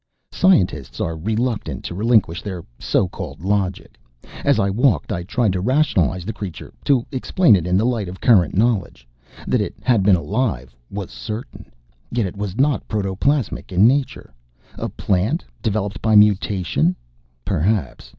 Scientists are reluctant to relinquish their so called logic. As I walked I tried to rationalize the creature, to explain it in the light of current knowledge. That it had been alive was certain. Yet it was not protoplasmic in nature. A plant, developed by mutation? Perhaps.